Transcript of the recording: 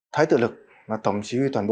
thái tự lực là tổng chí huy toàn bộ